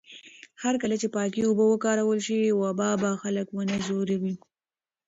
هرکله چې پاکې اوبه وکارول شي، وبا به خلک ونه ځوروي.